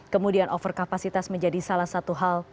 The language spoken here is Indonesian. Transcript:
kemudian over kapasitas menjadi salah satu hal